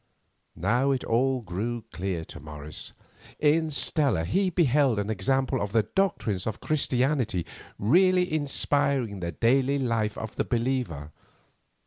Now it all grew clear to Morris. In Stella he beheld an example of the doctrines of Christianity really inspiring the daily life of the believer.